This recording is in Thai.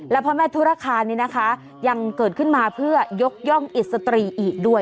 และพระแม่ธุรคารนี้นะคะยังเกิดขึ้นมาเพื่อยกย่องอิสตรีอีกด้วย